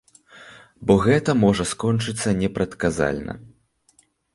Бо гэта можна скончыцца непрадказальна.